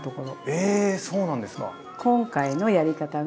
えそうなんですか。